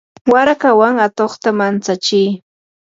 warakawan atuqta mantsachi.